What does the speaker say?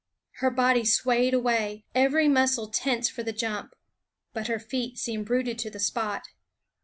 Her body swayed away, every muscle tense for the jump; but her feet seemed rooted to the spot.